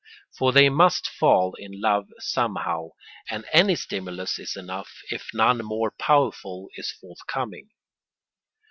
For they must fall in love somehow, and any stimulus is enough if none more powerful is forthcoming.